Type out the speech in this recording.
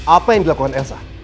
apa yang dilakukan elsa